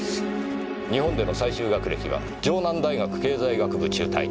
日本での最終学歴は城南大学経済学部中退。